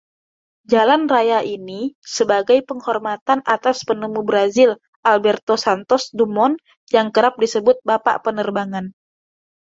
Jalan raya ini sebagai penghormatan atas penemu Brazil, Alberto Santos Dumont, yang kerap disebut “Bapak Penerbangan”.